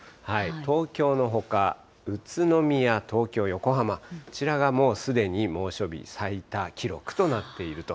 東京のほか、宇都宮、東京、横浜、こちらがもうすでに猛暑日最多記録となっていると。